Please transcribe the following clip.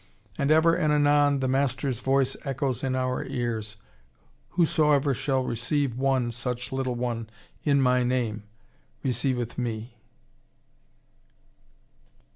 And ever and anon the Master's voice echoes in our ears, "Whosoever shall receive one such little one in My name, receiveth Me."